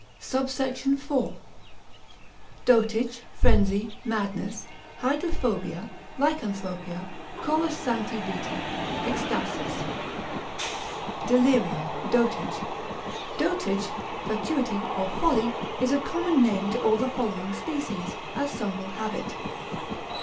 SUBSECT. IV.—Dotage, Frenzy, Madness, Hydrophobia, Lycanthropia, Chorus sancti Viti, Extasis. Delirium, Dotage.] Dotage, fatuity, or folly, is a common name to all the following species, as some will have it.